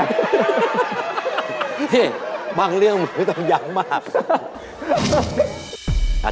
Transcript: พี่บางเรื่องมึงไม่ต้องย้ำมาก